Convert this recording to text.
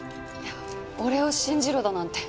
「俺を信じろ」だなんて。